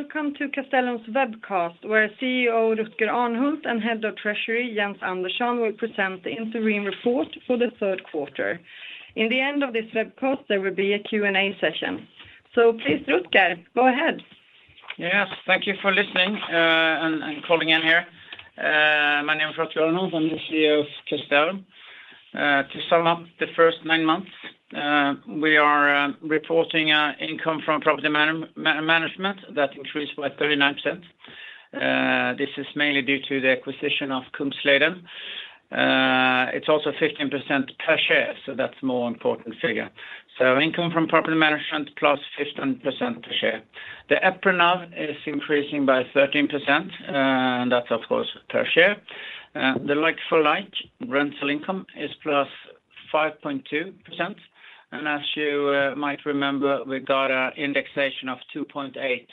Welcome to Castellum's webcast, where CEO Rutger Arnhult and Head of Treasury Jens Andersson will present the interim report for the third quarter. In the end of this webcast, there will be a Q&A session. Please, Rutger, go ahead. Yes. Thank you for listening and calling in here. My name is Rutger Arnhult. I'm the CEO of Castellum. To sum up the first nine months, we are reporting income from property management that increased by 39%. This is mainly due to the acquisition of Kungsleden. It's also 15% per share, so that's more important figure. Income from property management, plus 15% per share. The EPRA NAV is increasing by 13%, and that's of course, per share. The like-for-like rental income is plus 5.2%. As you might remember, we got an indexation of 2.8%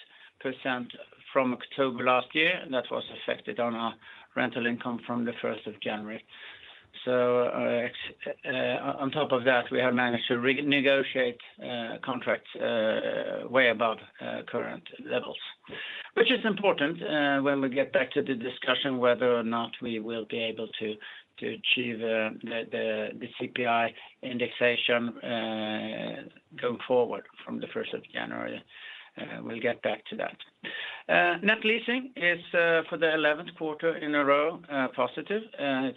from October last year, and that was effected on our rental income from the January 1st. On top of that, we have managed to renegotiate contracts way above current levels. Which is important when we get back to the discussion whether or not we will be able to achieve the CPI indexation going forward from the January 1st. We'll get back to that. Net leasing is for the 11th quarter in a row positive. It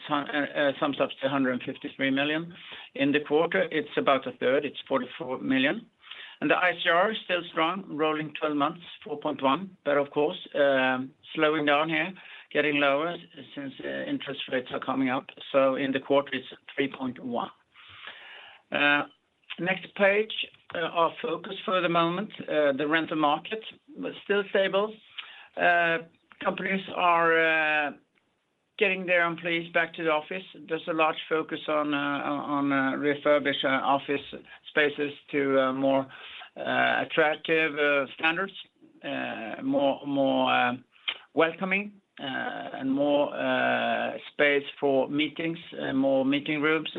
sums up to 153 million. In the quarter, it's about a third, it's 44 million. The ICR is still strong, rolling 12 months, 4.1. Of course, slowing down here, getting lower since interest rates are coming up. In the quarter, it's 3.1. Next page, our focus for the moment. The rental market was still stable. Companies are getting their employees back to the office. There's a large focus on refurbishing office spaces to more attractive standards, more welcoming, and more space for meetings, more meeting rooms.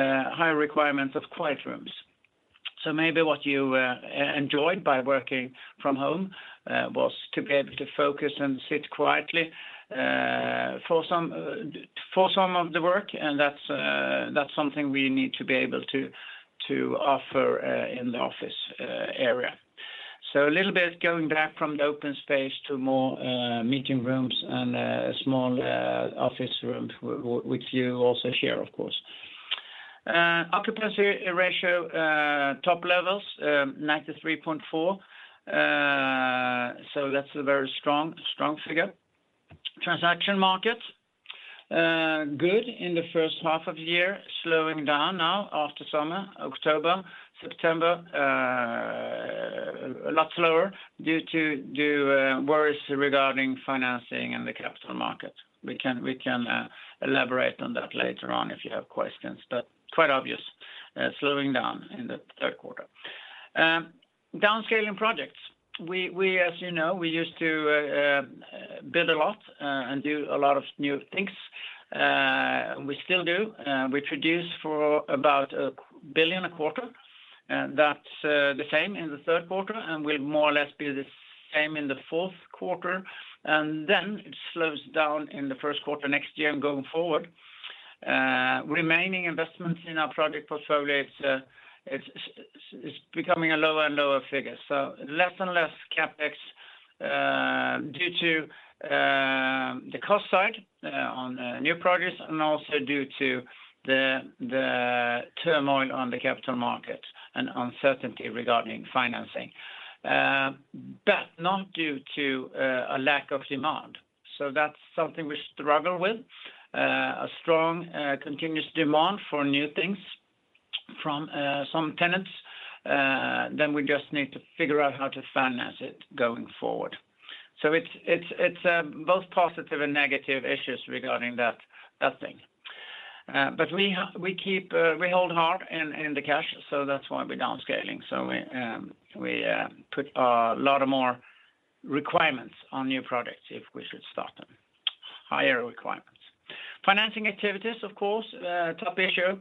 Higher requirements of quiet rooms. Maybe what you enjoyed by working from home was to be able to focus and sit quietly for some of the work, and that's something we need to be able to offer in the office area. A little bit going back from the open space to more meeting rooms and small office rooms which you also share, of course. Occupancy ratio top levels, 93.4%. That's a very strong figure. Transaction market good in the first half of the year, slowing down now after summer, October. September a lot slower due to worries regarding financing in the capital market. We can elaborate on that later on if you have questions, but quite obvious, slowing down in the third quarter. Downscaling projects. We, as you know, we used to build a lot and do a lot of new things. We still do. We produce for about 1 billion a quarter. That's the same in the third quarter, and we'll more or less be the same in the fourth quarter. It slows down in the first quarter next year and going forward. Remaining investments in our project portfolio, it's becoming a lower-and-lower figure. Less and less CapEx due to the cost side on new projects, and also due to the turmoil on the capital market and uncertainty regarding financing. Not due to a lack of demand. That's something we struggle with, a strong continuous demand for new things from some tenants. We just need to figure out how to finance it going forward. It's both positive and negative issues regarding that thing. We keep we hold hard in the cash, so that's why we're downscaling. We put a lot of more requirements on new projects if we should start them. Higher requirements. Financing activities, of course, top issue.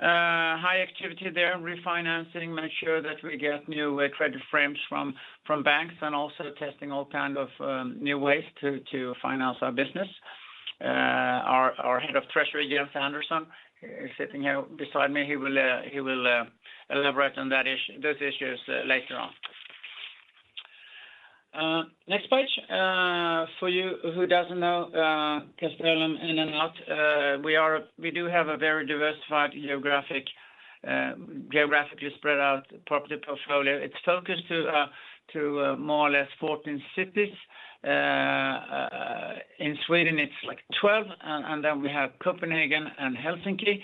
High activity there. Refinancing, make sure that we get new credit facilities from banks, and also testing all kind of new ways to finance our business. Our Head of Treasury, Jens Andersson, is sitting here beside me. He will elaborate on those issues later on. Next page, for you who doesn't know Castellum in and out, we do have a very diversified geographic geographically spread out property portfolio. It's focused to more or less 14 cities. In Sweden, it's like 12 cities, and then we have Copenhagen and Helsinki.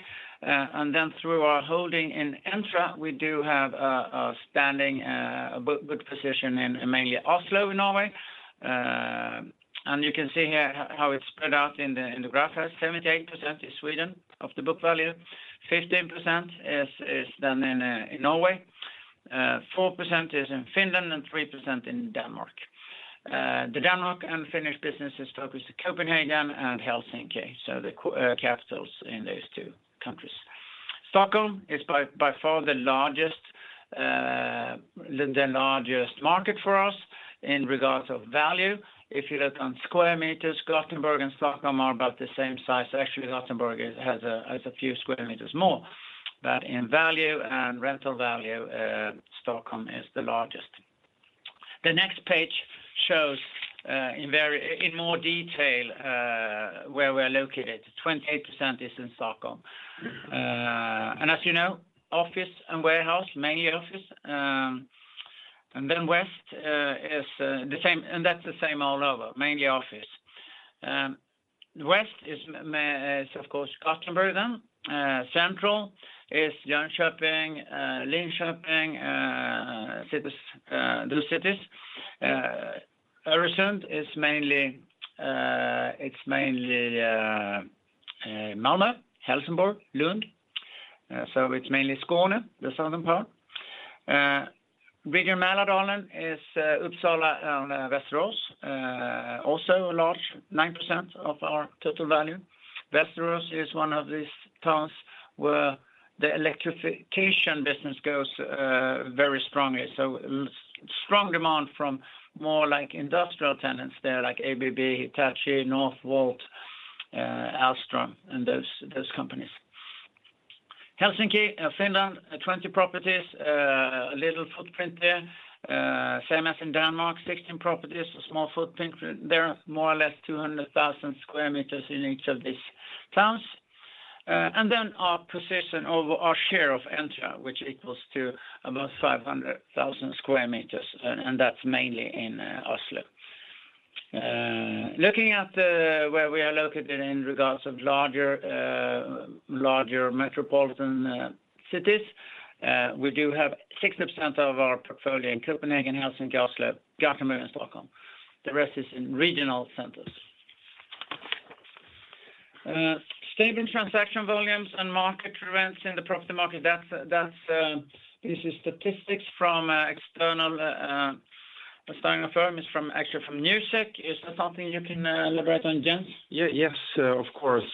Then through our holding in Entra, we do have a standing good position in mainly Oslo, Norway. You can see here how it's spread out in the graph. 78% is Sweden of the book value, 15% is then in Norway, 4% is in Finland, and 3% in Denmark. The Denmark and Finnish businesses focus to Copenhagen and Helsinki, so the capitals in those two countries. Stockholm is by far the largest market for us in regards of value. If you look on square meters, Gothenburg and Stockholm are about the same size. Actually, Gothenburg has a few square meters more. In value and rental value, Stockholm is the largest. The next page shows in more detail where we're located. 28% is in Stockholm. As you know, office and warehouse, mainly office. Then West is the same and that's the same all over, mainly office. West is of course Gothenburg then. Central is Jönköping, Linköping, those cities. Öresund is mainly Malmö, Helsingborg, Lund. So it's mainly Skåne, the southern part. Bigger Mälardalen is Uppsala and Västerås. Also a large 9% of our total value. Västerås is one of these towns where the electrification business goes very strongly. So strong demand from more like industrial tenants there, like ABB, Hitachi, Northvolt, Alstom, and those companies. Helsinki, Finland, 20 properties, a little footprint there. Same as in Denmark, 16 properties, a small footprint. They're more or less 200,000 square meters in each of these towns. Our position of our share of Entra, which equals to about 500,000 square meters, and that's mainly in Oslo. Looking at where we are located in regards of larger metropolitan cities, we do have 60% of our portfolio in Copenhagen, Oslo, Gothenburg, and Stockholm. The rest is in regional centers. Stable transaction volumes and market rents in the property market, that's this is statistics from external consulting firm. It's from, actually from Newsec. Is that something you can elaborate on, Jens? Yes, of course.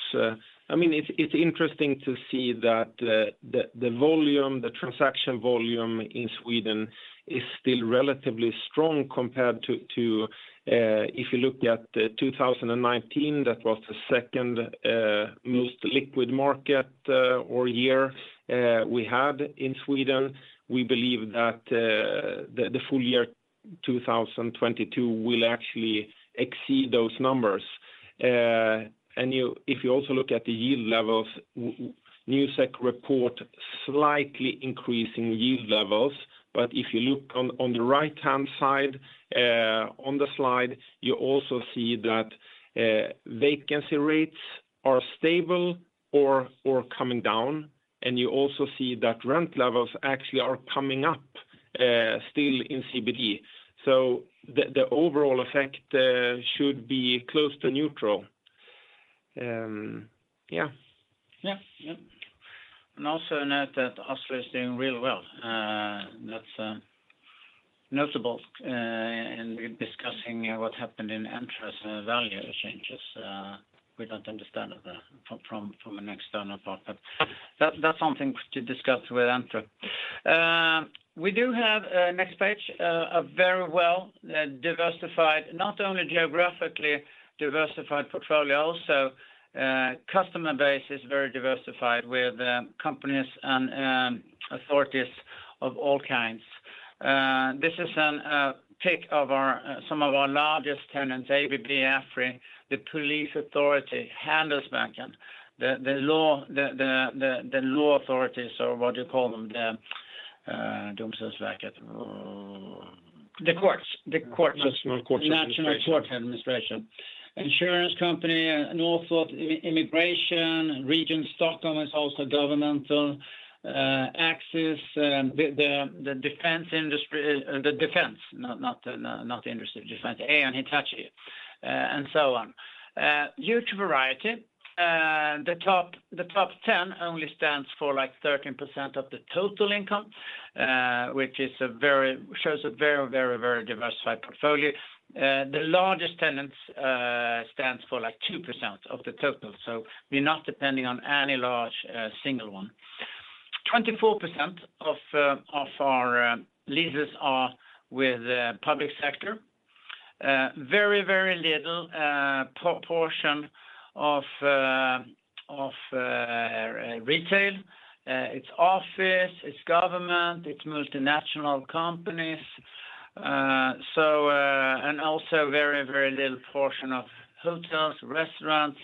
I mean, it's interesting to see that the volume, the transaction volume in Sweden is still relatively strong compared to if you look at 2019, that was the second most liquid market or year we had in Sweden. We believe that the full year 2022 will actually exceed those numbers. If you also look at the yield levels, Newsec report slightly increasing yield levels. If you look on the right-hand side on the slide, you also see that vacancy rates are stable or coming down. You also see that rent levels actually are coming up still in CBD. The overall effect should be close to neutral. Yeah. Also note that Oslo is doing really well. That's notable in discussing what happened in Entra's value changes. We don't understand it from an external part, but that's something to discuss with Entra. We do have next page a very well diversified, not only geographically diversified portfolio, also customer base is very diversified with companies and authorities of all kinds. This is a pick of some of our largest tenants, ABB, AFRY, the police authority, Handelsbanken, the law authorities or what do you call them? The Domstolsverket. The courts. National Courts Administration. National Courts Administration. Insurance company, Northvolt, Immigration. Region Stockholm is also governmental. Axis, the defense industry, the defense, not the industry, defense. Ålö, Hitachi, and so on. Huge variety. The top ten only stands for like 13% of the total income, which shows a very diversified portfolio. The largest tenants stands for like 2% of the total. We're not depending on any large single one. 24% of our leases are with the public sector. Very little proportion of retail. It's office, it's government, it's multinational companies. And also very little portion of hotels, restaurants,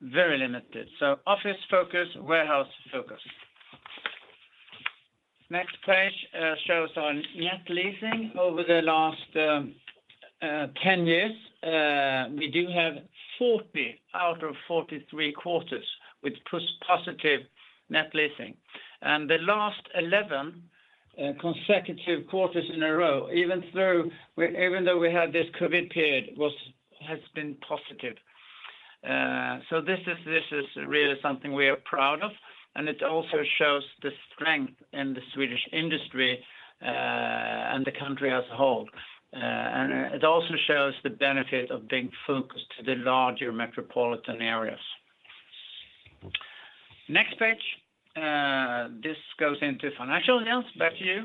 very limited. Office focus, warehouse focus. Next page shows our net leasing over the last 10 years. We do have 40 out of 43 quarters with positive net leasing. The last 11 consecutive quarters in a row, even though we had this COVID period, has been positive. This is really something we are proud of, and it also shows the strength in the Swedish industry and the country as a whole. It also shows the benefit of being focused to the larger metropolitan areas. Next page. This goes into financials. Jens, back to you.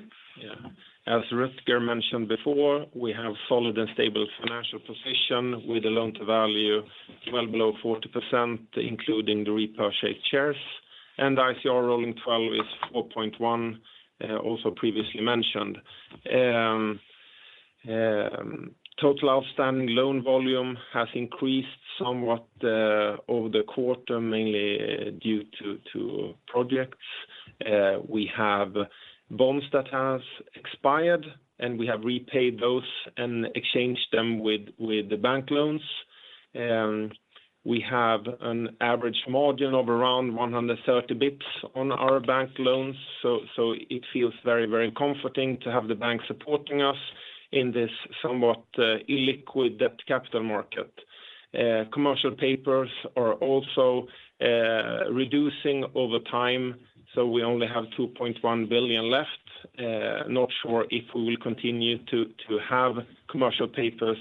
As Rutger mentioned before, we have solid and stable financial position with the loan to value well below 40%, including the repurchase shares. ICR rolling twelve is 4.1, also previously mentioned. Total outstanding loan volume has increased somewhat over the quarter, mainly due to projects. We have bonds that has expired, and we have repaid those and exchanged them with the bank loans. We have an average margin of around 130 bps on our bank loans. It feels very comforting to have the bank supporting us in this somewhat illiquid debt capital market. Commercial papers are also reducing over time, so we only have 2.1 billion left. Not sure if we will continue to have commercial papers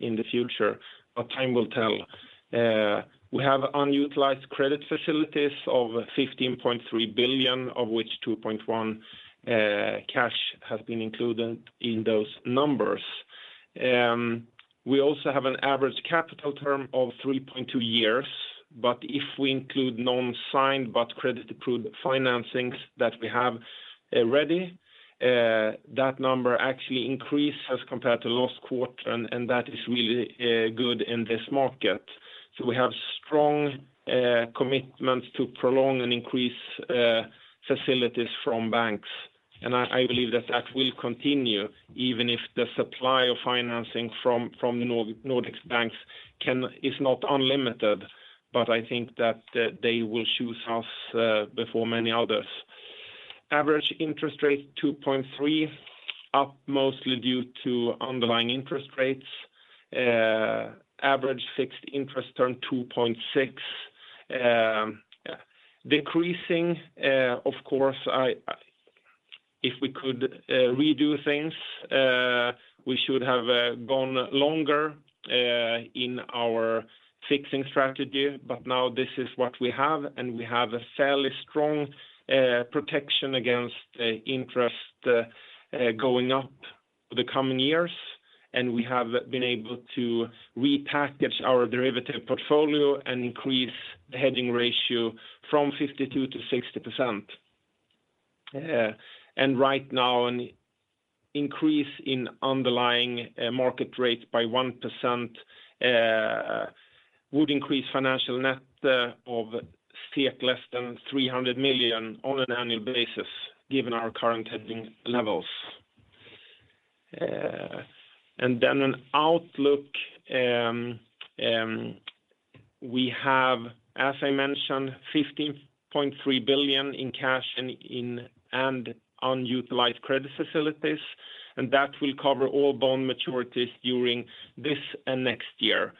in the future, but time will tell. We have unutilized credit facilities of 15.3 billion, of which 2.1 cash has been included in those numbers. We also have an average capital term of 3.2 years, but if we include non-signed but credit-approved financings that we have ready, that number actually increases compared to last quarter, and that is really good in this market. We have strong commitments to prolong and increase facilities from banks. I believe that will continue even if the supply of financing from the Nordic banks is not unlimited, but I think that they will choose us before many others. Average interest rate 2.3%, up mostly due to underlying interest rates. Average fixed interest term 2.6%. Decreasing, of course. If we could redo things, we should have gone longer in our fixing strategy. Now this is what we have, and we have a fairly strong protection against interest going up for the coming years. We have been able to repackage our derivative portfolio and increase the hedging ratio from 52%-60%. Right now, an increase in underlying market rate by 1% would increase financial net by less than 300 million on an annual basis, given our current hedging levels. On outlook, we have, as I mentioned, 15.3 billion in cash and unutilized credit facilities, and that will cover all bond maturities during this and next year.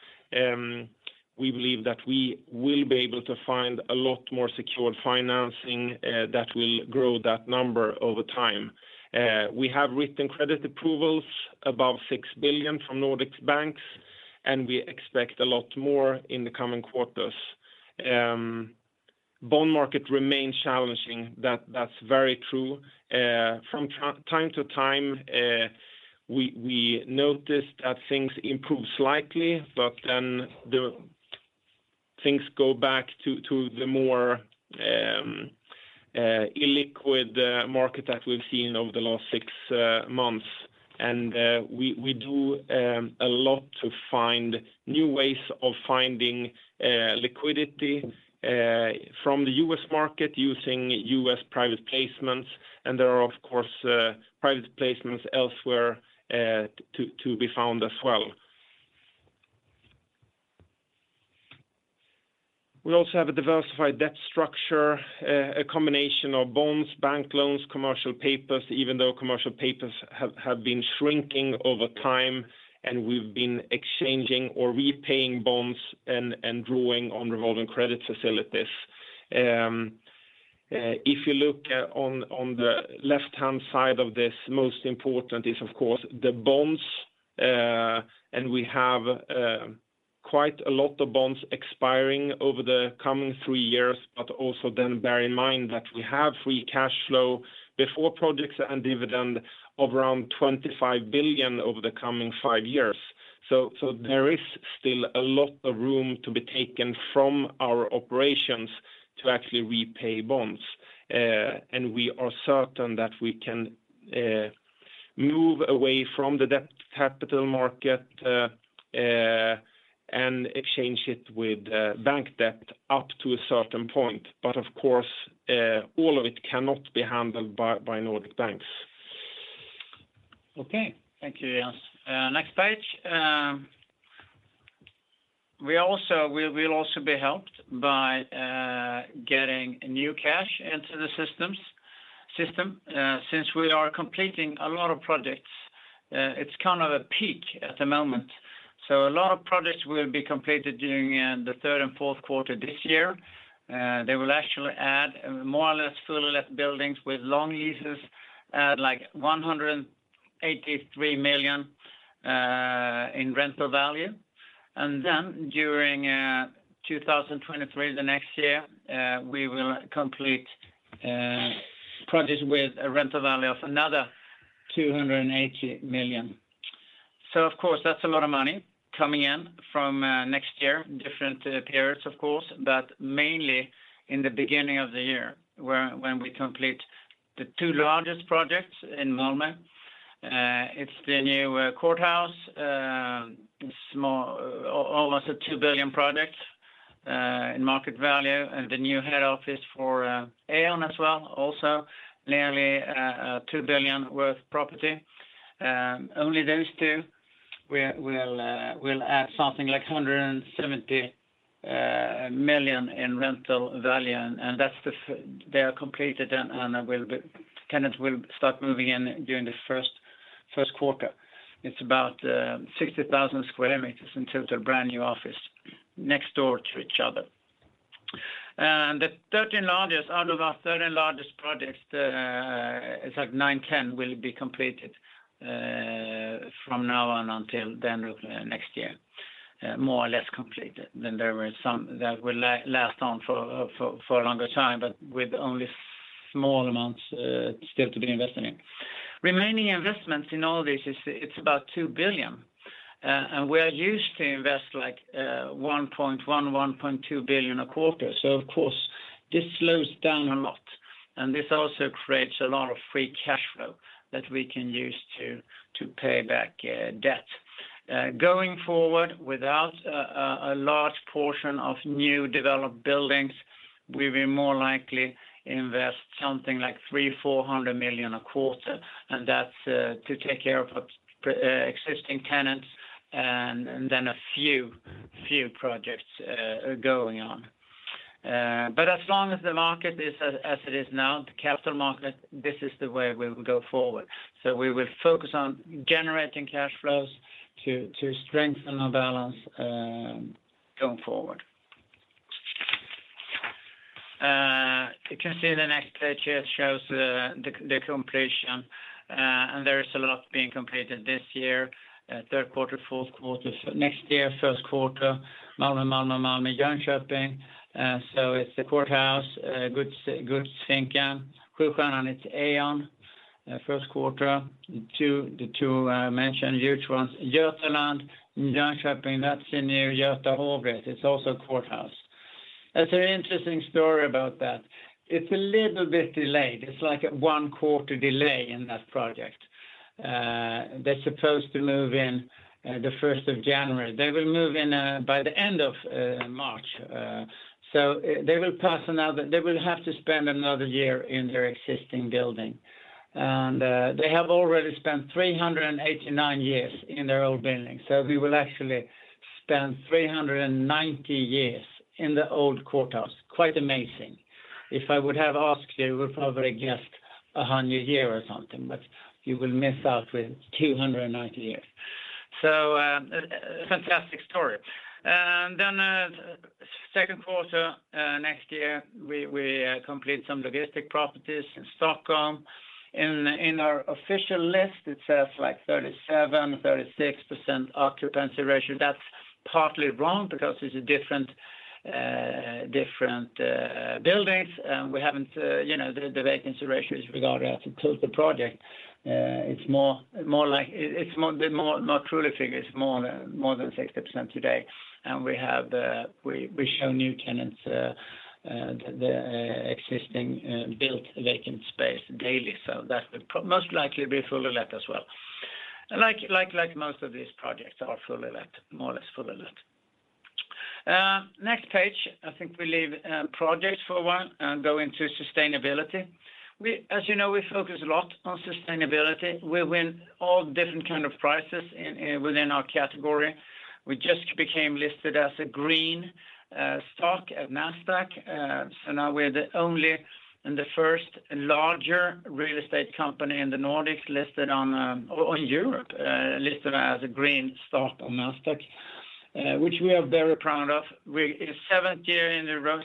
We believe that we will be able to find a lot more secured financing that will grow that number over time. We have written credit approvals above 6 billion from Nordic banks, and we expect a lot more in the coming quarters. Bond market remains challenging, that's very true. From time to time, we noticed that things improve slightly, but then things go back to the more illiquid market that we've seen over the last six months. We do a lot to find new ways of finding liquidity from the US market using US private placements. There are, of course, private placements elsewhere to be found as well. We also have a diversified debt structure, a combination of bonds, bank loans, commercial papers, even though commercial papers have been shrinking over time, and we've been exchanging or repaying bonds and drawing on revolving credit facilities. If you look on the left-hand side of this, most important is, of course, the bonds. We have quite a lot of bonds expiring over the coming three years, but also then bear in mind that we have free cash flow before projects and dividend of around 25 billion over the coming five years. There is still a lot of room to be taken from our operations to actually repay bonds. We are certain that we can move away from the debt capital market and exchange it with bank debt up to a certain point. Of course, all of it cannot be handled by Nordic banks. Okay. Thank you, Jens. Next page. We'll also be helped by getting new cash into the system. Since we are completing a lot of projects, it's kind of a peak at the moment. A lot of projects will be completed during the third and fourth quarter this year. They will actually add more or less full-let buildings with long leases at like 183 million in rental value. During 2023, the next year, we will complete projects with a rental value of another 280 million. Of course, that's a lot of money coming in from next year, different periods of course, but mainly in the beginning of the year when we complete the two largest projects in Malmö. It's the new courthouse, almost a 2 billion project in market value, and the new head office for E.ON as well, also nearly 2 billion worth property. Only those two will add something like 170 million in rental value. They are completed and tenants will start moving in during the first quarter. It's about 60,000 square meters in total brand-new office next door to each other. The 13 largest out of our 13 largest projects, it's like nine, 10 will be completed from now on until the end of next year, more or less completed. There were some that will last on for a longer time, but with only small amounts still to be invested in. Remaining investments in all this, it's about 2 billion. We're used to invest like 1.1 billion-1.2 billion a quarter. Of course, this slows down a lot. This also creates a lot of free cash flow that we can use to pay back debt. Going forward, without a large portion of new developed buildings, we will more likely invest something like 300 million-400 million a quarter, and that's to take care of existing tenants and then a few projects going on. As long as the market is as it is now, the capital market, this is the way we will go forward. We will focus on generating cash flows to strengthen our balance going forward. You can see the next page here shows the completion, and there is a lot being completed this year, third quarter, fourth quarter. Next year, first quarter, Malmö, Jönköping. It's the courthouse, Guldvingen, Krukan, and it's E.ON, first quarter. The two I mentioned, huge ones. Gotland, Jönköping, that's the new Göta hovrätt. It's also a courthouse. There's an interesting story about that. It's a little bit delayed. It's like a one-quarter delay in that project. They're supposed to move in the first of January. They will move in by the end of March. They will have to spend another year in their existing building. They have already spent 389 years in their old building. We will actually spend 390 years in the old courthouse. Quite amazing. If I would have asked you would probably guess 100 year or something, but you will miss out with 290 years. A fantastic story. Second quarter next year, we complete some logistic properties in Stockholm. In our official list, it says like 37%, 36% occupancy ratio. That's partly wrong because it's a different buildings. We haven't the vacancy ratio is regarded as a total project. It's more like the more true figure is more than 60% today. We show new tenants the existing built vacant space daily. That would most likely be fully let as well. Like most of these projects are fully let, more or less fully let. Next page, I think we leave projects for a while and go into sustainability. As you know, we focus a lot on sustainability. We win all different kind of prizes within our category. We just became listed as a green stock at Nasdaq. Now we're the only and the first larger real estate company in the Nordics listed on, or Europe, listed as a green stock on Nasdaq, which we are very proud of. It's seventh year in a row,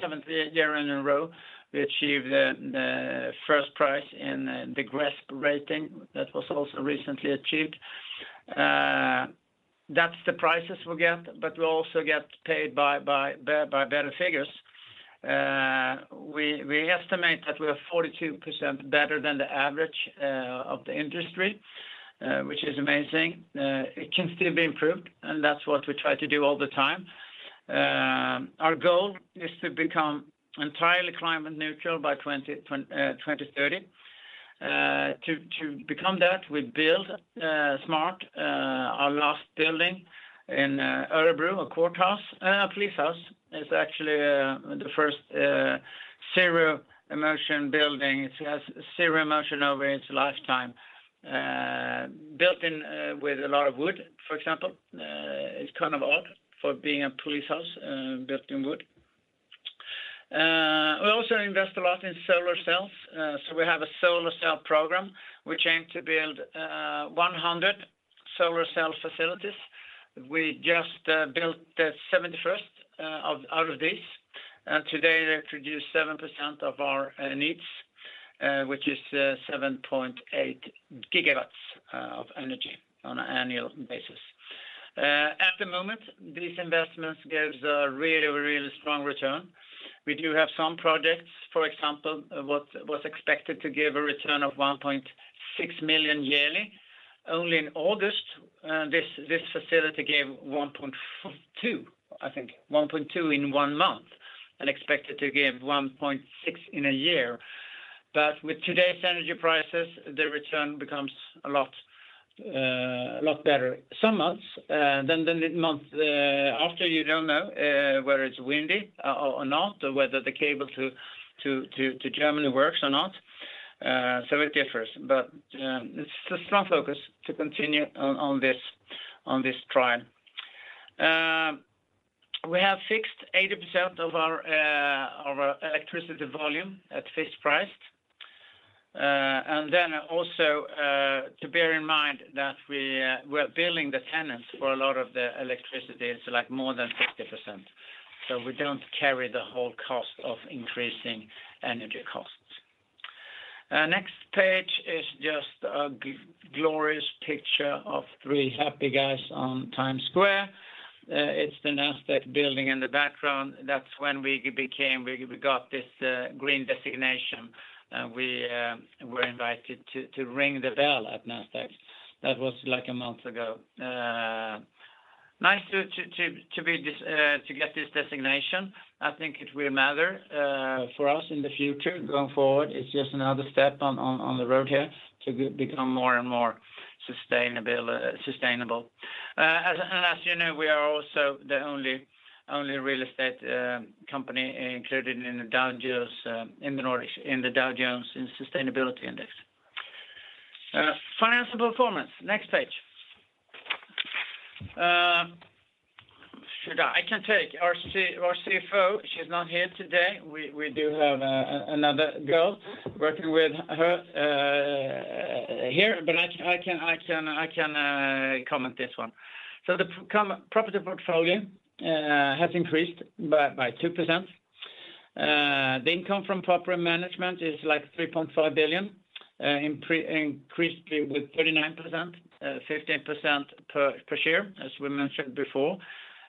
seventh year in a row, we achieved the first prize in, the GRESB rating. That was also recently achieved. That's the prices we get, but we also get paid by better figures. We estimate that we are 42% better than the average, of the industry, which is amazing. It can still be improved, and that's what we try to do all the time. Our goal is to become entirely climate neutral by 2030. To become that, we build smart our last building in Örebro, a courthouse, a police house. It's actually the first zero emission building. It has zero emission over its lifetime, built with a lot of wood, for example. It's kind of odd for being a police house, built in wood. We also invest a lot in solar cells. So we have a solar cell program which aimed to build 100 solar cell facilities. We just built the 71st out of this. Today, they produce 7% of our needs, which is 7.8 GW of energy on an annual basis. At the moment, these investments gives a really, really strong return. We do have some projects, for example, what was expected to give a return of 1.6 million yearly. Only in August, this facility gave 1.2, I think. 1.2 million in one month, and expected to give 1.6 million in a year. With today's energy prices, the return becomes a lot better some months than the month after, you don't know whether it's windy or not or whether the cable to Germany works or not. So it differs. It's a strong focus to continue on this trial. We have fixed 80% of our electricity volume at fixed price. To bear in mind that we're billing the tenants for a lot of the electricity, it's like more than 50%. We don't carry the whole cost of increasing energy costs. Next page is just a glorious picture of three happy guys on Times Square. It's the Nasdaq building in the background. That's when we got this green designation, and we were invited to ring the bell at Nasdaq. That was like a month ago. Nice to get this designation. I think it will matter for us in the future going forward. It's just another step on the road here to become more and more sustainable. As you know, we are also the only real estate company included in the Dow Jones Sustainability Index in the Nordics. Financial performance, next page. Should I... I can take our CFO, she's not here today. We do have another girl working with her here, but I can comment this one. Property portfolio has increased by 2%. The income from property management is like 3.5 billion, increased with 39%, 15% per share, as we mentioned before.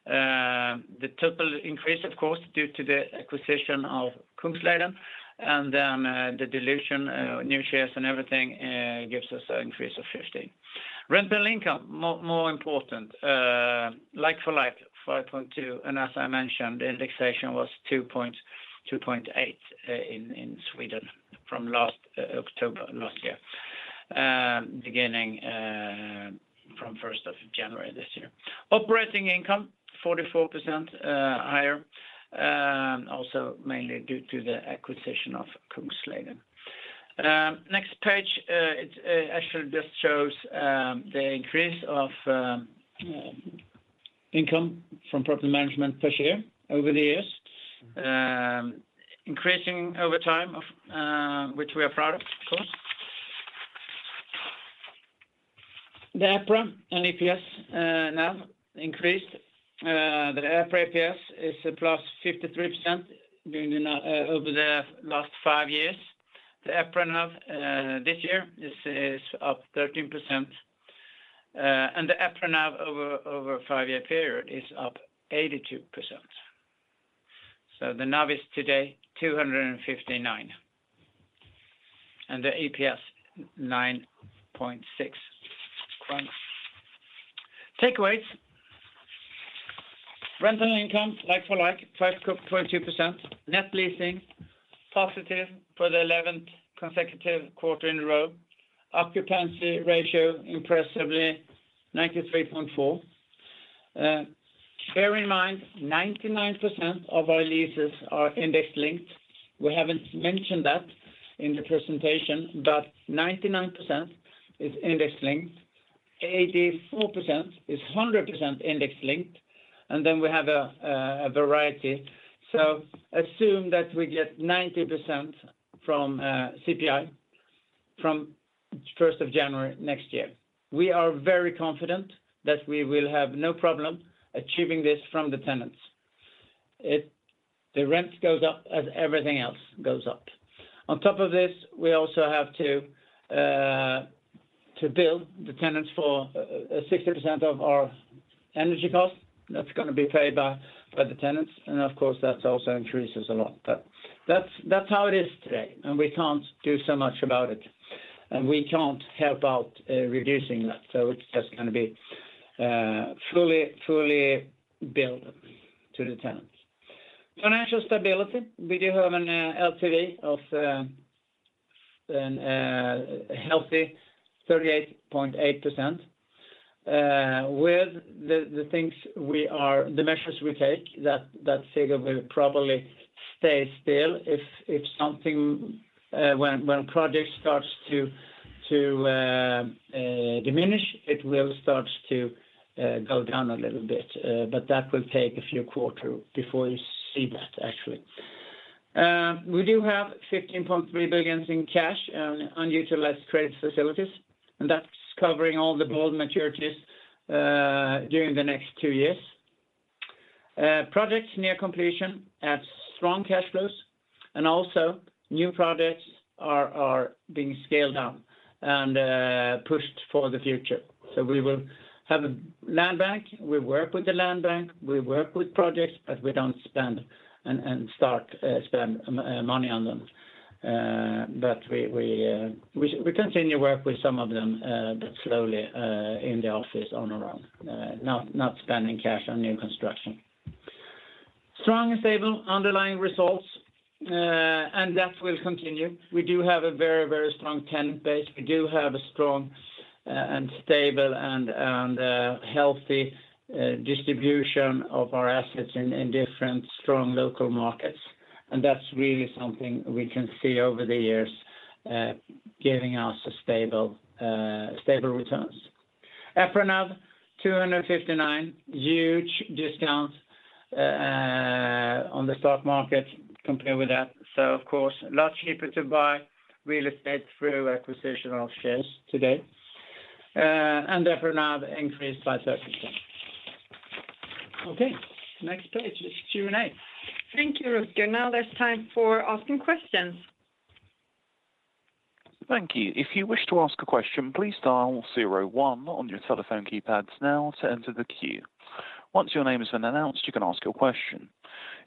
The total increase, of course, due to the acquisition of Kungsleden, and then the dilution, new shares and everything, gives us an increase of 15%. Rental income, more important. Like for like, 5.2 million. As I mentioned, the indexation was 2.8 million in Sweden from October last year, beginning from first of January this year. Operating income, 44% higher, also mainly due to the acquisition of Kungsleden. Next page, it actually just shows the increase of income from property management per share over the years, increasing over time, which we are proud of course. The EPRA EPS and NAV increased. The EPRA EPS is +53% over the last five years. The EPRA NAV this year is up 13%. The EPRA NAV over a five-year period is up 82%. The NAV is today 259, and the EPS, 9.6. Takeaways. Rental income, like for like, 5.2%. Net leasing, positive for the 11th consecutive quarter in a row. Occupancy ratio, impressively, 93.4%. Bear in mind, 99% of our leases are index-linked. We haven't mentioned that in the presentation, but 99% is index-linked. 84% is 100% index-linked. And then we have a variety. Assume that we get 90% from CPI from first of January next year. We are very confident that we will have no problem achieving this from the tenants. The rents goes up as everything else goes up. On top of this, we also have to bill the tenants for 60% of our energy costs. That's gonna be paid by the tenants. Of course, that's also increases a lot. But that's how it is today, and we can't do so much about it. We can't help out reducing that. It's just gonna be fully billed to the tenants. Financial stability. We do have a LTV of a healthy 38.8%. With the measures we take, that figure will probably stay still. If something, when projects start to diminish, it will start to go down a little bit. But that will take a few quarter before you see that actually. We do have 15.3 billion in cash and unutilized credit facilities, and that's covering all the bond maturities during the next two years. Projects near completion have strong cash flows, and also new projects are being scaled down and pushed for the future. We will have a land bank. We work with the land bank. We work with projects, but we don't spend money on them. We continue to work with some of them, but slowly, in the office on our own, not spending cash on new construction. Strong and stable underlying results, and that will continue. We do have a very strong tenant base. We do have a strong and stable and healthy distribution of our assets in different strong local markets. That's really something we can see over the years giving us stable returns. EPRA NAV 259, huge discounts on the stock market compared with that. Of course, a lot cheaper to buy real estate through acquisition of shares today, and therefore NAV increased by 13%. Okay, next page. It's Q&A. Thank you, Rutger. Now there's time for asking questions. Thank you. If you wish to ask a question, please dial zero-one on your telephone keypads now to enter the queue. Once your name has been announced, you can ask your question.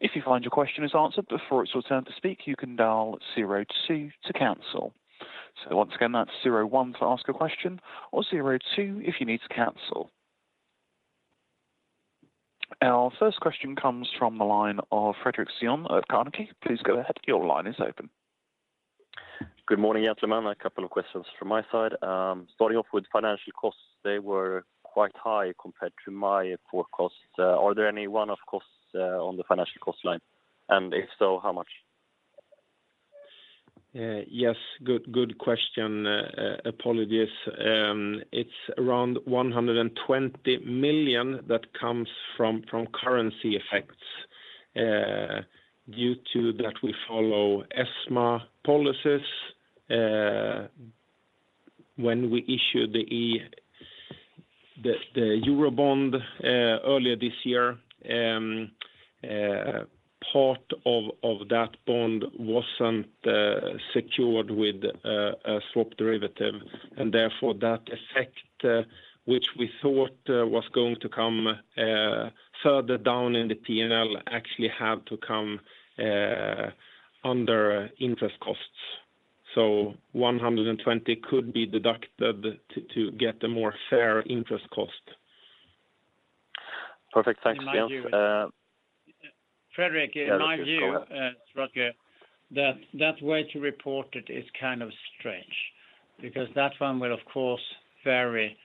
If you find your question is answered before it's your turn to speak, you can dial zero-two to cancel. Once again, that's zero-one to ask a question or zero-two if you need to cancel. Our first question comes from the line of Fredric Cyon of Carnegie. Please go ahead. Your line is open. Good morning, gentlemen. A couple of questions from my side. Starting off with financial costs, they were quite high compared to my forecast. Are there any one-off costs on the financial cost line? If so, how much? Yes. Good question. Apologies. It's around 120 million that comes from currency effects due to that we follow ESMA policies. When we issued the Euro bond earlier this year, part of that bond wasn't secured with a swap derivative, and therefore that effect, which we thought was going to come further down in the P&L, actually had to come under interest costs. 120 million could be deducted to get a more fair interest cost. Perfect. Thanks. Yes. In my view. Frederick- Yeah, please go ahead. In my view, Rutger, that way to report it is kind of strange because that one will of course vary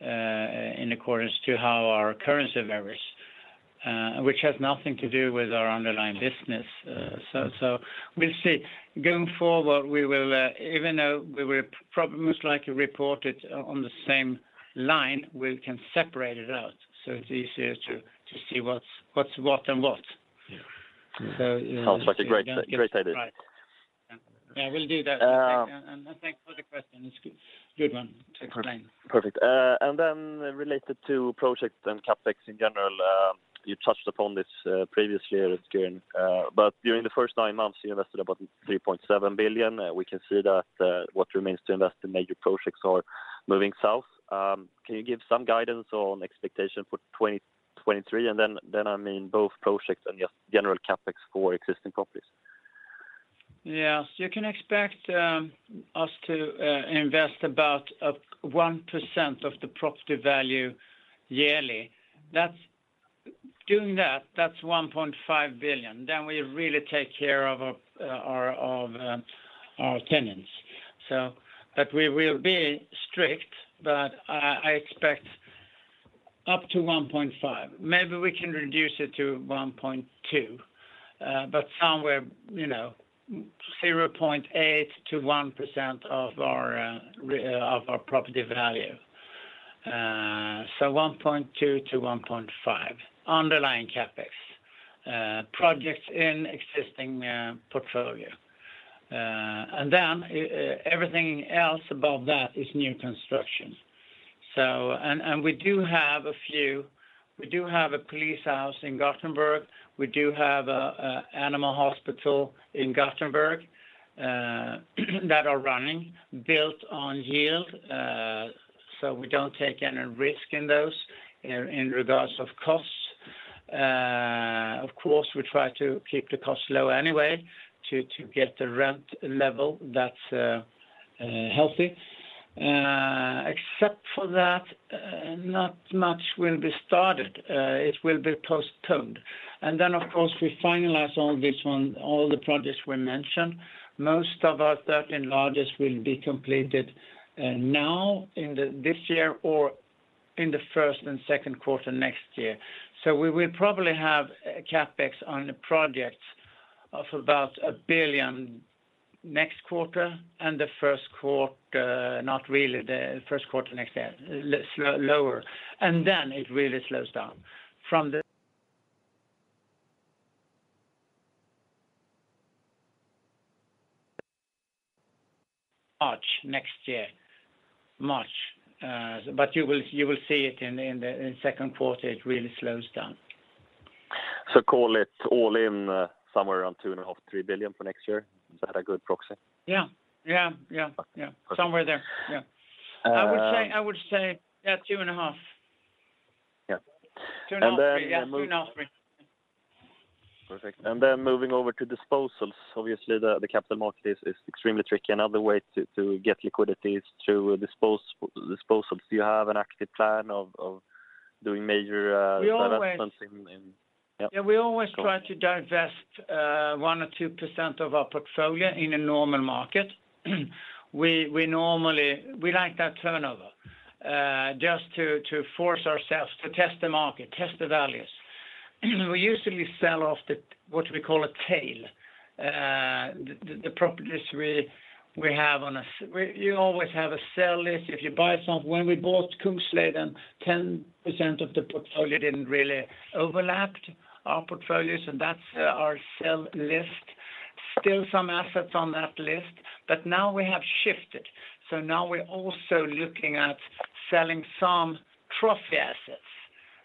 in accordance to how our currency varies, which has nothing to do with our underlying business. We'll see. Going forward, we will even though we will most likely report it on the same line, we can separate it out so it's easier to see what's what and what. Yeah. So- Sounds like a great idea. Right. Yeah, we'll do that. Um- Thanks for the question. It's good one to explain. Perfect. Related to projects and CapEx in general, you touched upon this previously, Rutger, during the first nine months, you invested about 3.7 billion. We can see that what remains to invest in major projects are moving south. Can you give some guidance on expectation for 2023? I mean both projects and just general CapEx for existing properties. Yes. You can expect us to invest about 1% of the property value yearly. Doing that's 1.5 billion. We really take care of our tenants. But we will be strict, but I expect up to 1.5 billion. Maybe we can reduce it to 1.2 billion. But somewhere, you know, 0.8%-1% of our property value. So 1.2%-1.5% underlying CapEx projects in existing portfolio. And then everything else above that is new construction. We do have a few. We do have a police house in Gothenburg. We do have an animal hospital in Gothenburg that are running built on yield. We don't take any risk in those in regards of costs. Of course, we try to keep the costs low anyway to get the rent level that's healthy. Except for that, not much will be started. It will be postponed. Then, of course, we finalize all this on all the projects we mentioned. Most of our 13 largest will be completed now in this year or in the first and second quarter next year. We will probably have CapEx on the projects of about 1 billion next quarter and the first quarter, not really the first quarter next year, lower, and then it really slows down from March next year. But you will see it in the second quarter, it really slows down. Call it all in, somewhere around 2.5 billion-3 billion for next year. Is that a good proxy? Yeah. Somewhere there. Yeah. Uh- I would say at SEK 2.5 billion. Yeah. 2.5 billion, 3 billion. Perfect. Then moving over to disposals. Obviously, the capital market is extremely tricky. Another way to get liquidity is through disposals. Do you have an active plan of doing major We always. Divestments in. Yeah. Yeah, we always try to divest 1%-2% of our portfolio in a normal market. We normally like that turnover just to force ourselves to test the market, test the values. We usually sell off what we call a tail. The properties we have on a sell list. We always have a sell list. When we bought Kungsleden, 10% of the portfolio didn't really overlapped our portfolios, and that's our sell list. Still some assets on that list, but now we have shifted. Now we're also looking at selling some trophy assets,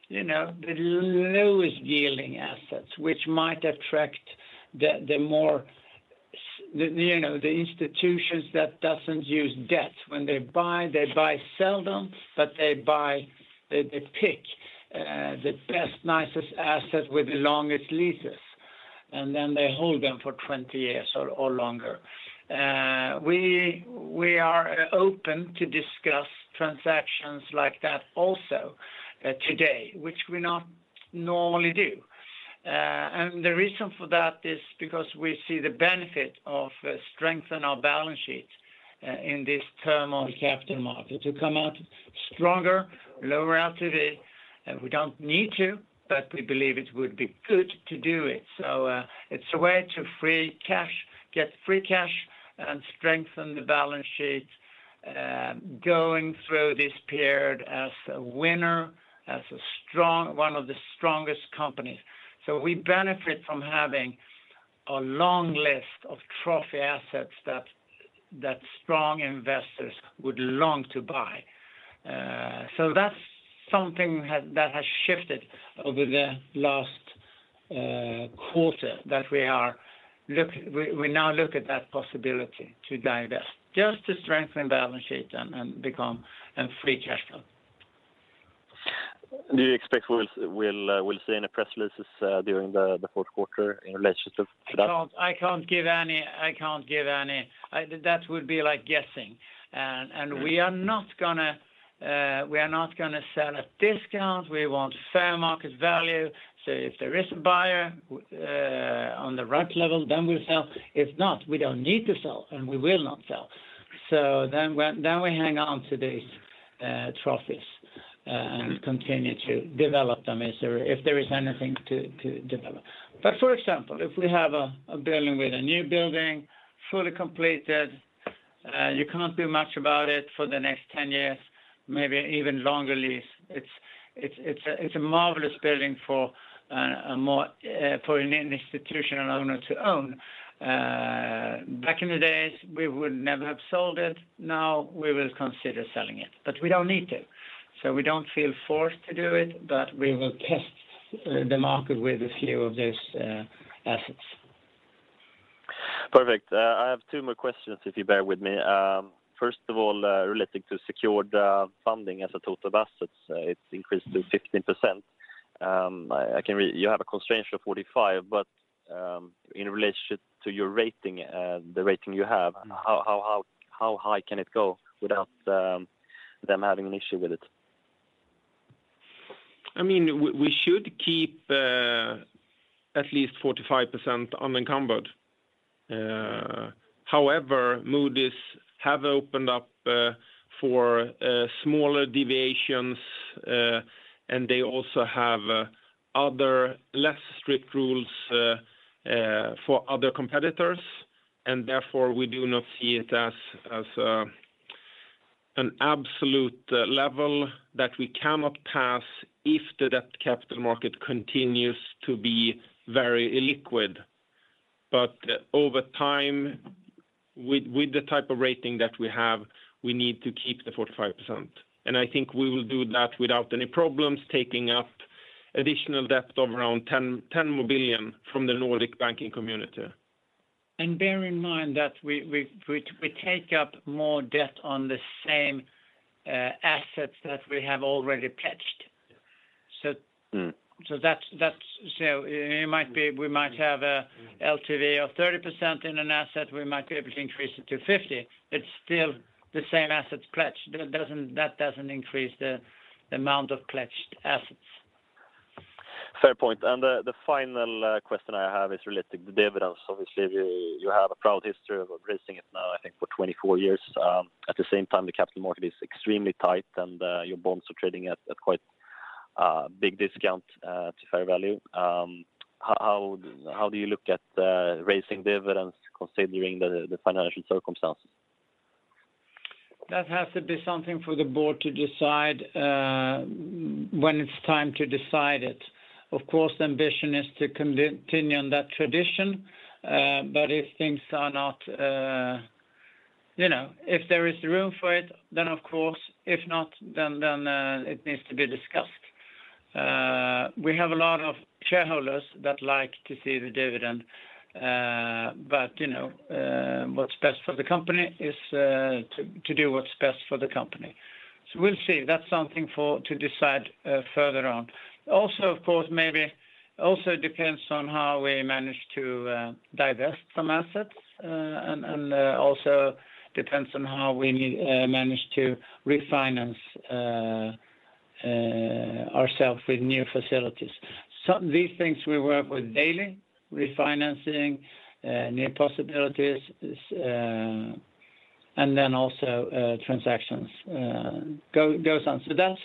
you know, the lowest-yielding assets, which might attract you know, the institutions that doesn't use debt. When they buy, they buy seldom, but they buy. They pick the best, nicest asset with the longest leases, and then they hold them for 20 years or longer. We are open to discuss transactions like that also today, which we not normally do. The reason for that is because we see the benefit of strengthen our balance sheet in this turmoil capital market, to come out stronger, lower LTV. We don't need to, but we believe it would be good to do it. It's a way to free cash, get free cash, and strengthen the balance sheet going through this period as a winner, as one of the strongest companies. We benefit from having a long list of trophy assets that strong investors would long to buy. That's something that has shifted over the last quarter that we now look at that possibility to divest just to strengthen balance sheet and become a free cash flow. Do you expect we'll see any press releases during the fourth quarter in relationship to that? I can't give any. That would be like guessing. We are not gonna sell at discount. We want fair market value. If there is a buyer on the right level, then we'll sell. If not, we don't need to sell, and we will not sell. Then we hang on to these trophies and continue to develop them if there is anything to develop. For example, if we have a building with a new building, fully completed, you can't do much about it for the next 10 years, maybe even longer lease. It's a marvelous building for a more institutional owner to own. Back in the days, we would never have sold it. Now we will consider selling it, but we don't need to. We don't feel forced to do it, but we will test the market with a few of those assets. Perfect. I have two more questions if you bear with me. First of all, relating to secured funding as a total assets, it's increased to 15%. I can read you have a constraint of 45%, but in relationship to your rating, the rating you have, how high can it go without them having an issue with it? I mean, we should keep at least 45% unencumbered. However, Moody's have opened up for smaller deviations, and they also have other less strict rules for other competitors, and therefore, we do not see it as an absolute level that we cannot pass if the debt capital market continues to be very illiquid. Over time, with the type of rating that we have, we need to keep the 45%. I think we will do that without any problems taking up additional debt of around 10 billion from the Nordic banking community. Bear in mind that we take up more debt on the same assets that we have already pledged. Mm. It might be we might have a LTV of 30% in an asset. We might be able to increase it to 50%. It's still the same asset pledged. That doesn't increase the amount of pledged assets. Fair point. The final question I have is relating to the dividends. Obviously, you have a proud history of raising it now, I think for 24 years. At the same time, the capital market is extremely tight, and your bonds are trading at quite a big discount to fair value. How do you look at raising dividends considering the financial circumstances? That has to be something for the board to decide, when it's time to decide it. Of course, the ambition is to continue on that tradition, but if things are not, you know, if there is room for it, then of course. If not, it needs to be discussed. We have a lot of shareholders that like to see the dividend, but, you know, what's best for the company is, to do what's best for the company. We'll see. That's something to decide, further on. Also, of course, maybe also depends on how we manage to divest some assets, and, also depends on how we manage to refinance ourselves with new facilities. These things we work with daily, refinancing, new possibilities, and then also transactions go on. That's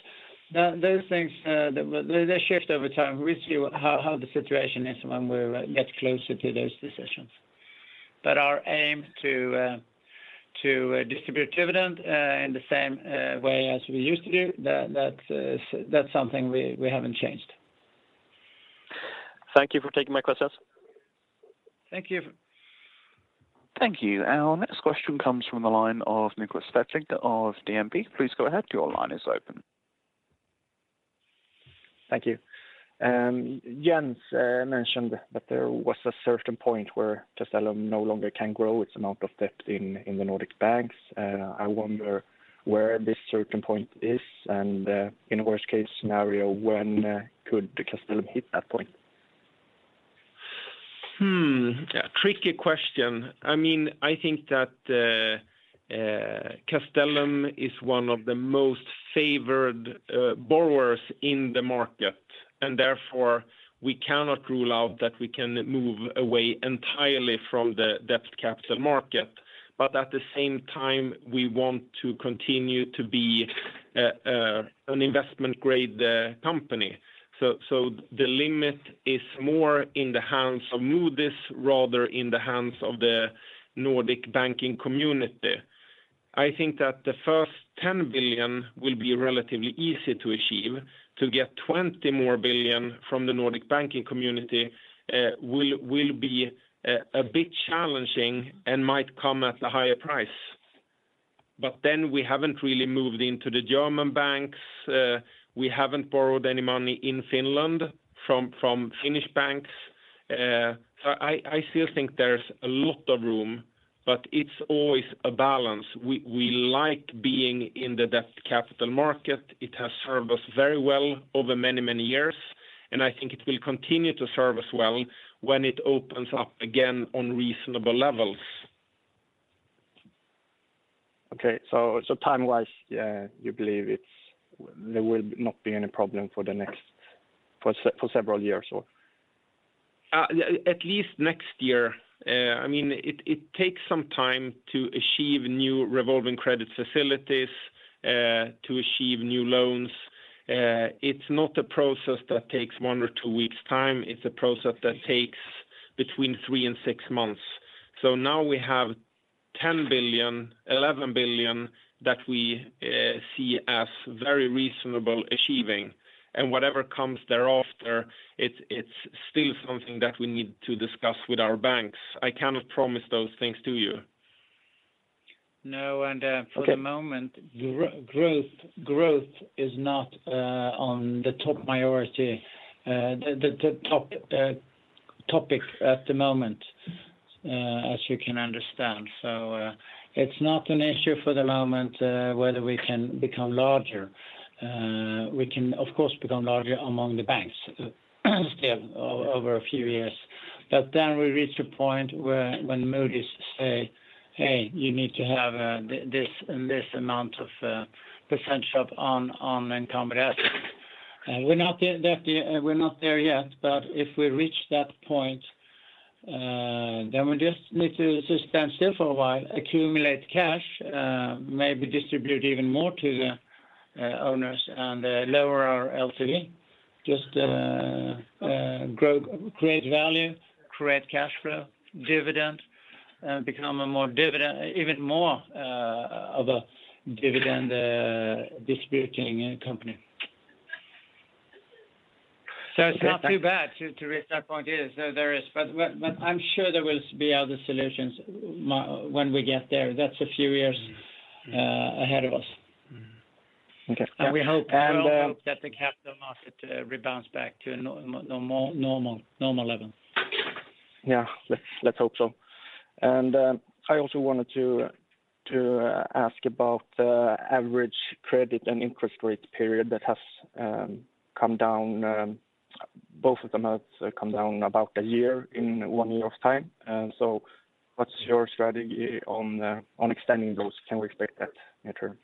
those things they shift over time. We'll see how the situation is when we get closer to those decisions. Our aim to distribute dividend in the same way as we used to do, that's something we haven't changed. Thank you for taking my questions. Thank you. Thank you. Our next question comes from the line of Niklas Stenberg of DMP. Please go ahead. Your line is open. Thank you. Jens mentioned that there was a certain point where Castellum no longer can grow its amount of debt in the Nordic banks. I wonder where this certain point is, and in a worst case scenario, when could Castellum hit that point? Tricky question. I mean, I think that Castellum is one of the most favored borrowers in the market, and therefore we cannot rule out that we can move away entirely from the debt capital market. At the same time, we want to continue to be an investment-grade company. The limit is more in the hands of Moody's rather than in the hands of the Nordic banking community. I think that the first 10 billion will be relatively easy to achieve. To get 20 billion more from the Nordic banking community will be a bit challenging and might come at a higher price. Then we haven't really moved into the German banks. We haven't borrowed any money in Finland from Finnish banks. I still think there's a lot of room, but it's always a balance. We like being in the debt capital market. It has served us very well over many, many years, and I think it will continue to serve us well when it opens up again on reasonable levels. Okay. Time-wise, you believe there will not be any problem for several years, or? At least next year. I mean, it takes some time to achieve new revolving credit facilities, to achieve new loans. It's not a process that takes one or two weeks' time, it's a process that takes between three and six months. Now we have 10 billion, 11 billion that we see as very reasonable achieving. Whatever comes thereafter, it's still something that we need to discuss with our banks. I cannot promise those things to you. No. Okay. For the moment, growth is not the top topic at the moment, as you can understand. It's not an issue for the moment whether we can become larger. We can, of course, become larger among the banks, still over a few years. Then we reach a point where when Moody's say, "Hey, you need to have this and this amount of percent debt on income assets." We're not there yet, but if we reach that point, then we just need to stand still for a while, accumulate cash, maybe distribute even more to the owners and lower our LTV. Just grow, create value, create cash flow, dividend, become even more of a dividend distributing company. It's not too bad to reach that point. Yeah, so there is. I'm sure there will be other solutions when we get there. That's a few years ahead of us. Mm-hmm. Okay. We hope. And, uh- We all hope that the capital market rebounds back to a normal level. Yeah. Let's hope so. I also wanted to ask about the average credit and interest rates period that has come down. Both of them have come down about a year in one year of time. So what's your strategy on extending those? Can we expect that near-term?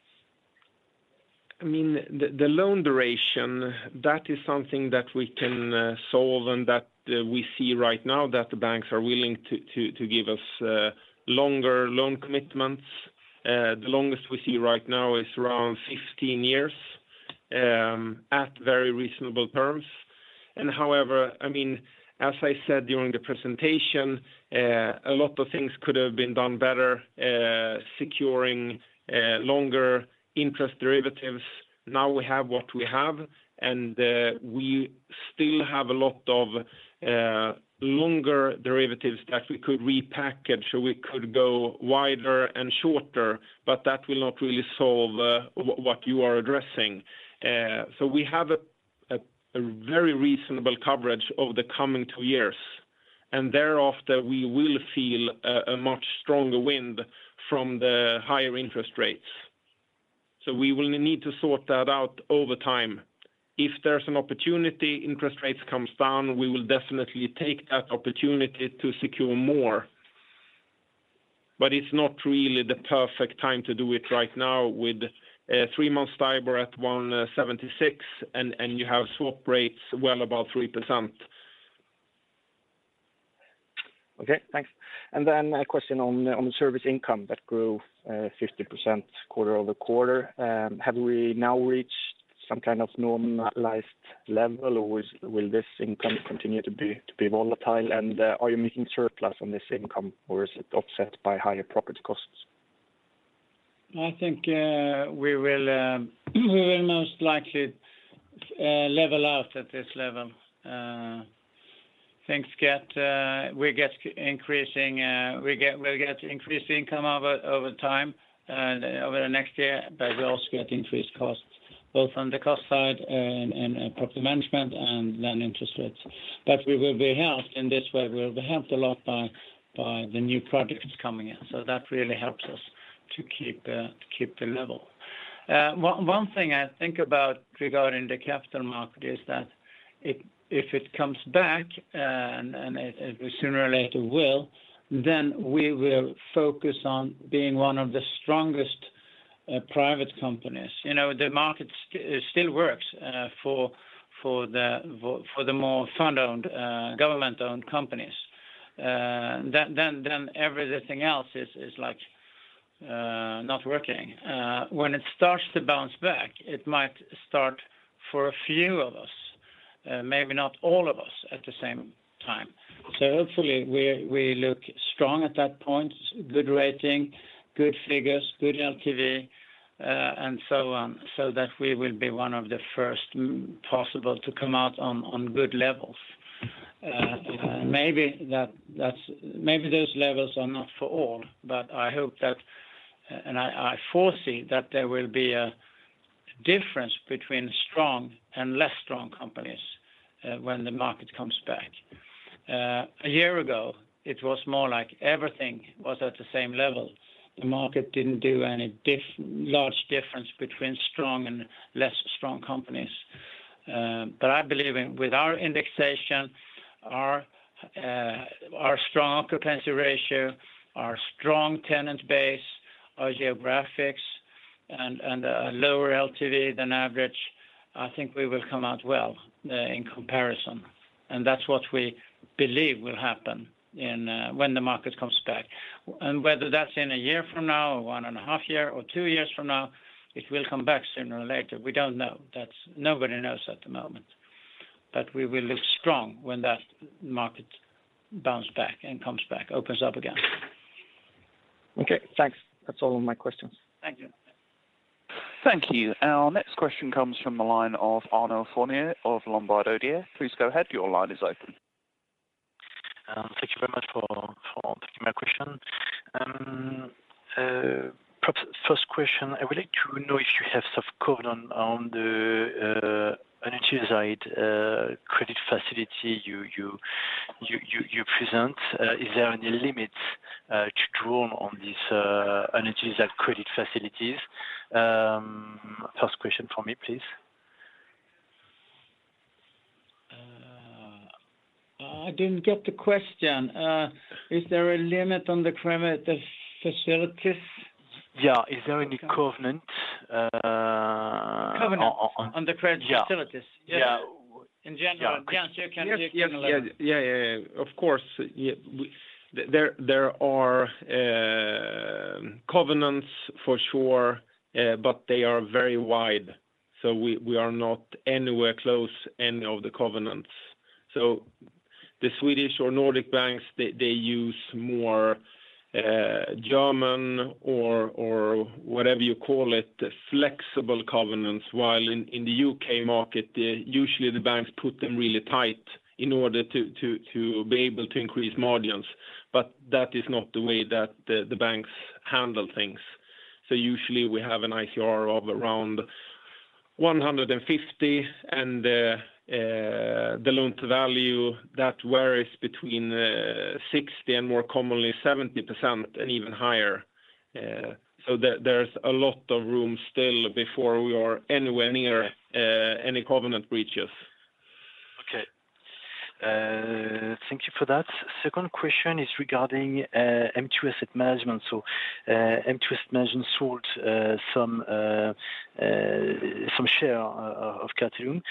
I mean, the loan duration, that is something that we can solve and that we see right now that the banks are willing to give us longer loan commitments. The longest we see right now is around 15 years at very reasonable terms. However, I mean, as I said during the presentation, a lot of things could have been done better securing longer interest derivatives. Now we have what we have, and we still have a lot of longer derivatives that we could repackage, so we could go wider and shorter, but that will not really solve what you are addressing. We have a very reasonable coverage over the coming two years, and thereafter we will feel a much stronger wind from the higher interest rates. We will need to sort that out over time. If there's an opportunity, interest rates comes down, we will definitely take that opportunity to secure more. But it's not really the perfect time to do it right now with three-month STIBOR at 1.76 and you have swap rates well above 3%. Okay, thanks. A question on the service income that grew 50% quarter-over-quarter. Have we now reached some kind of normalized level, or will this income continue to be volatile? Are you making surplus on this income, or is it offset by higher property costs? I think we will most likely level out at this level. We'll get increased income over time over the next year, but we also get increased costs, both on the cost side in property management and then interest rates. We will be helped in this way. We'll be helped a lot by the new projects coming in. That really helps us to keep the level. One thing I think about regarding the capital market is that if it comes back and it sooner or later will, then we will focus on being one of the strongest private companies. You know, the market still works for the more fund-owned government-owned companies. Everything else is like not working. When it starts to bounce back, it might start for a few of us, maybe not all of us at the same time. Hopefully we look strong at that point, good rating, good figures, good LTV, and so on, so that we will be one of the first possible to come out on good levels. Maybe those levels are not for all, but I hope that and I foresee that there will be a difference between strong and less strong companies when the market comes back. A year ago, it was more like everything was at the same level. The market didn't do any large difference between strong and less strong companies. I believe in with our indexation, our strong occupancy ratio, our strong tenant base, our geographics and lower LTV than average, I think we will come out well in comparison. That's what we believe will happen when the market comes back. Whether that's in a year from now or 1.5 years or two years from now, it will come back sooner or later. We don't know. That's nobody knows at the moment. We will look strong when that market bounces back and comes back, opens up again. Okay, thanks. That's all of my questions. Thank you. Thank you. Our next question comes from the line of Arnaud Fournier of Lombard Odier. Please go ahead. Your line is open. Thank you very much for taking my question. Perhaps first question, I would like to know if you have some covenants on the energy side credit facility you presented. Is there any limits to draw on these energy and credit facilities? First question for me, please. I didn't get the question. Is there a limit on the credit facilities? Yeah. Is there any covenant? Covenant on the credit facilities? Yeah. Yeah. In general. Yes. Yes. Yeah. Of course. There are covenants for sure, but they are very wide. We are not anywhere close to any of the covenants. The Swedish or Nordic banks, they use more lenient or whatever you call it flexible covenants, while in the UK market, usually the banks put them really tight in order to be able to increase margins. That is not the way that the banks handle things. Usually we have an ICR of around 150%, and the loan to value that varies between 60% and more commonly 70% and even higher. There's a lot of room still before we are anywhere near any covenant breaches. Okay. Thank you for that. Second question is regarding M2 Asset Management. M2 Asset Management sold some shares of Castellum.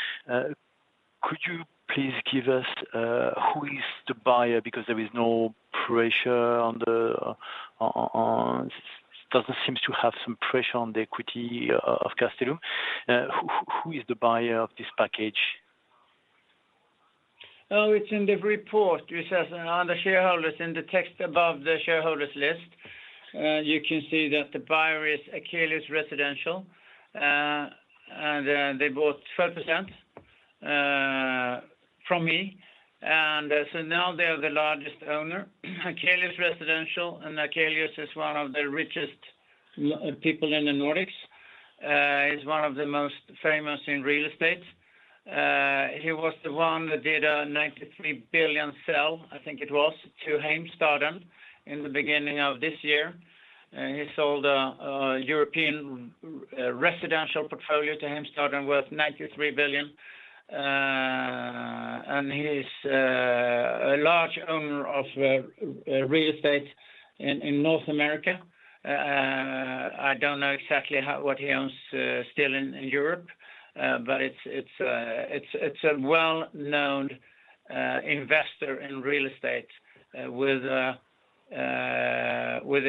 Could you please give us who is the buyer? Because it doesn't seem to have some pressure on the equity of Castellum. Who is the buyer of this package? Oh, it's in the report. It says under shareholders, in the text above the shareholders list, you can see that the buyer is Akelius Residential, and they bought 12% from me. Now they're the largest owner, Akelius Residential. Akelius is one of the richest people in the Nordics, is one of the most famous in real estate. He was the one that did a 93 billion sell, I think it was, to Heimstaden in the beginning of this year. He sold a European residential portfolio to Heimstaden worth 93 billion. He's a large owner of real estate in North America. I don't know exactly what he owns still in Europe, but it's a well-known investor in real estate with a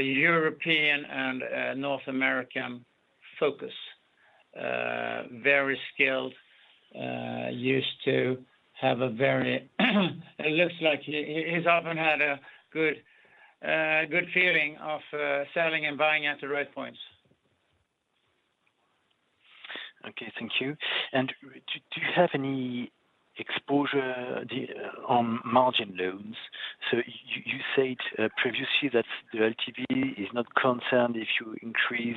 European and a North American focus. Very skilled. It looks like he's often had a good feeling of selling and buying at the right points. Okay, thank you. Do you have any exposure to margin loans? You said previously that the LTV is not concerned if you increase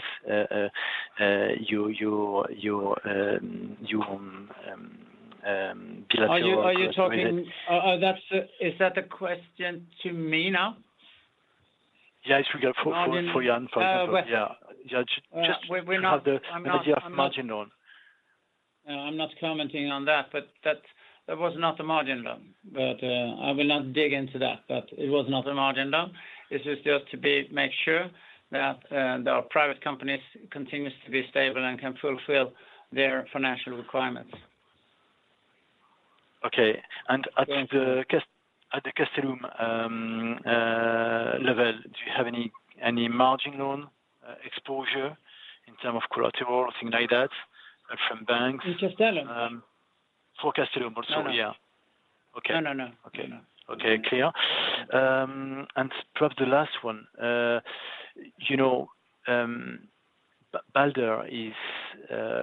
your own Are you talking? Is that a question to me now? Yeah, it's for Jen, for example. Margin. Yeah. Yeah. We're not. -to have the- I'm not. the idea of margin on. No, I'm not commenting on that, but that was not a margin loan. I will not dig into that. It was not a margin loan. This is just to make sure that the private companies continues to be stable and can fulfill their financial requirements. Okay. At the Castellum level, do you have any margin loan exposure in terms of collateral or anything like that from banks? In Castellum? For Castellum also, yeah. No. Okay. No, no. Okay. No, no. Okay, clear. Probably the last one. You know, Balder is,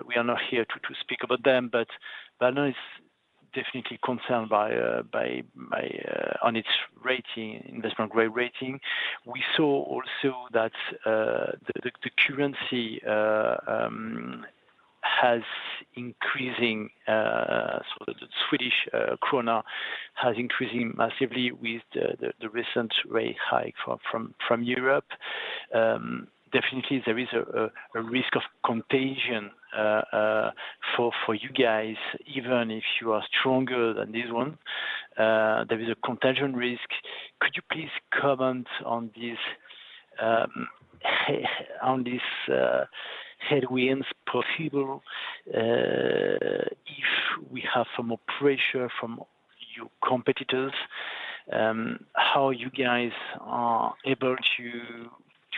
we are not here to speak about them, but Balder is definitely concerned by its investment grade rating. We saw also that the currency has increasing, so the Swedish krona has increasing massively with the recent rate hike from Europe. Definitely there is a risk of contagion for you guys, even if you are stronger than this one, there is a contagion risk. Could you please comment on this headwinds possible, if we have some more pressure from your competitors, how you guys are able to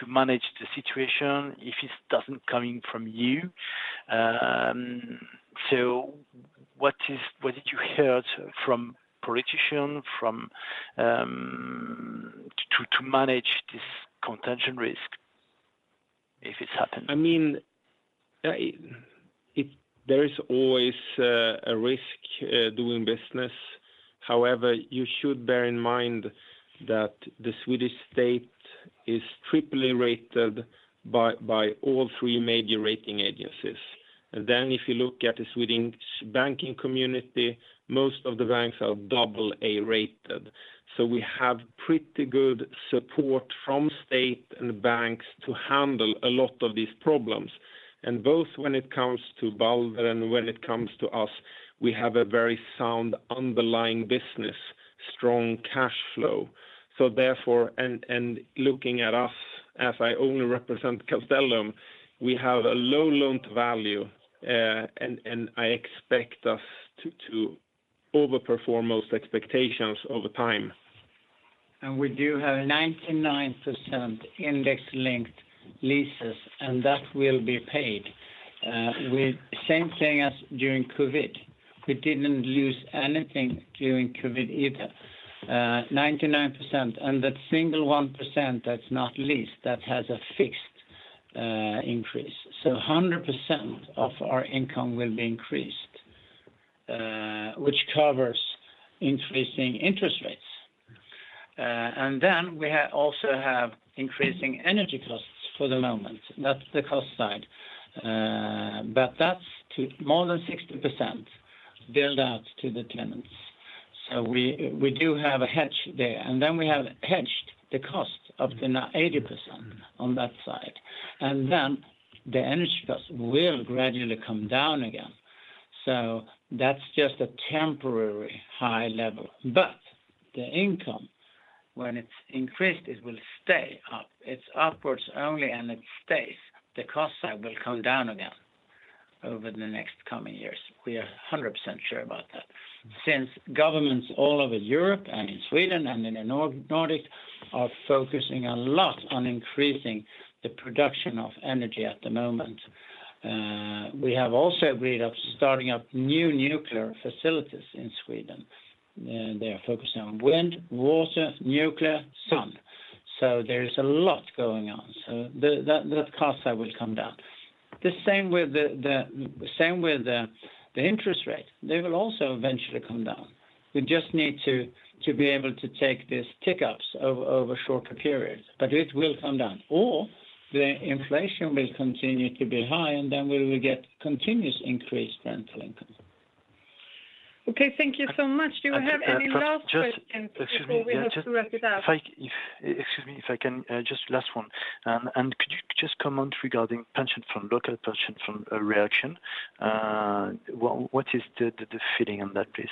manage the situation if it doesn't coming from you? What did you heard from politicians to manage this contagion risk, if it's happened? I mean, there is always a risk doing business. However, you should bear in mind that the Swedish state is triple A rated by all three major rating agencies. If you look at the Swedish banking community, most of the banks are AA rated. We have pretty good support from state and banks to handle a lot of these problems. Both when it comes to Balder and when it comes to us, we have a very sound underlying business, strong cash flow. Therefore, and looking at us, as I only represent Castellum, we have a low loan to value, and I expect us to overperform most expectations over time. We do have 99% index linked leases, and that will be paid with same thing as during COVID. We didn't lose anything during COVID either. 99% and that single 1% that's not leased, that has a fixed increase. 100% of our income will be increased, which covers increasing interest rates. We also have increasing energy costs for the moment. That's the cost side. But that's to more than 60% billed out to the tenants. We do have a hedge there. We have hedged the cost of the eighty percent on that side. The energy costs will gradually come down again. That's just a temporary high level. But the income. When it's increased, it will stay up. It's upwards only, and it stays. The cost side will come down again over the next coming years. We are 100% sure about that. Since governments all over Europe and in Sweden and in the Nordic are focusing a lot on increasing the production of energy at the moment. We have also agreed on starting up new nuclear facilities in Sweden. They are focusing on wind, water, nuclear, sun. There is a lot going on. The cost side will come down. The same with the interest rate. They will also eventually come down. We just need to be able to take these hiccups over shorter periods, but it will come down or the inflation will continue to be high, and then we will get continuously increasing rental income. Okay. Thank you so much. I- Do you have any last questions? Just excuse me. Before we have to wrap it up? Excuse me, if I can just last one. Could you just comment regarding pension fund, local pension fund reaction? What is the feeling on that, please?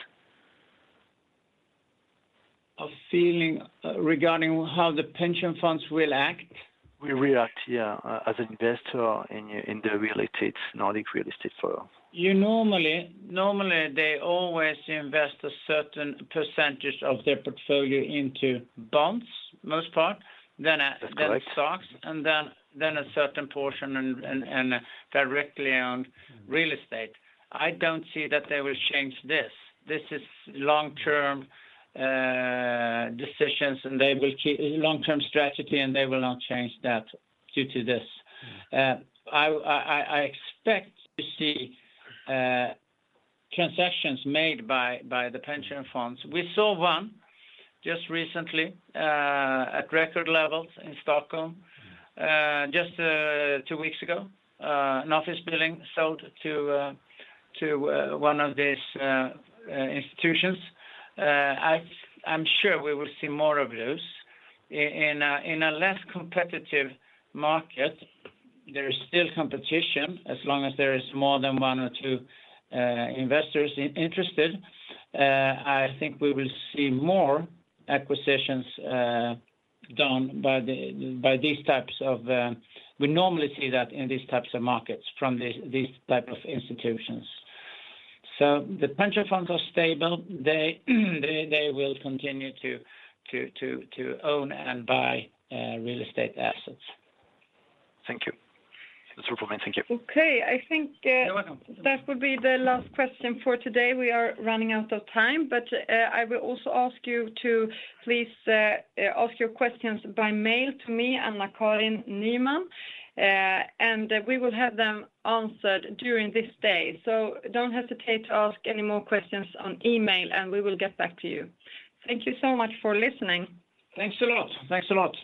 A feeling regarding how the pension funds will act? Will react, yeah, as investor in the real estate, Nordic Real Estate Forum. Normally they always invest a certain percentage of their portfolio into bonds, most part. That's correct. Stocks, and then a certain portion and directly own real estate. I don't see that they will change this. This is long-term decisions, and they will long-term strategy, and they will not change that due to this. I expect to see concessions made by the pension funds. We saw one just recently at record levels in Stockholm just two weeks ago. An office building sold to one of these institutions. I'm sure we will see more of those. In a less competitive market, there is still competition as long as there is more than one or two investors interested. I think we will see more acquisitions done by these types of We normally see that in these types of markets from these type of institutions. The pension funds are stable. They will continue to own and buy real estate assets. Thank you. That's all for me. Thank you. Okay. I think, You're welcome. That would be the last question for today. We are running out of time. I will also ask you to please, ask your questions by mail to me, Anna-Karin Nyman, and we will have them answered during this day. Don't hesitate to ask any more questions on email, and we will get back to you. Thank you so much for listening. Thanks a lot. Thanks a lot.